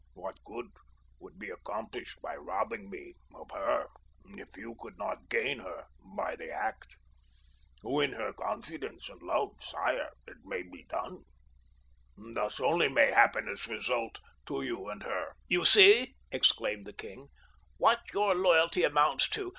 What good would be accomplished by robbing me of her if you could not gain her by the act? Win her confidence and love, sire. It may be done. Thus only may happiness result to you and to her." "You see," exclaimed the king, "what your loyalty amounts to!